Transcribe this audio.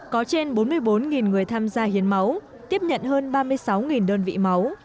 có trên bốn mươi bốn người tham gia hiến máu tiếp nhận hơn ba mươi sáu đơn vị máu